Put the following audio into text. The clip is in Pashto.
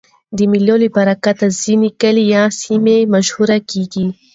د مېلو له برکته ځيني کلي یا سیمې مشهوره کېږي.